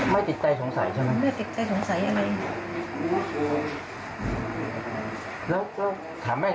ว่าจริงค่ะเดี๋ยวไปจำเป็นพยานได้